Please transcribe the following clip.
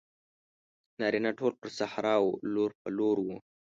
نارینه ټول پر صحرا وو لور په لور وو.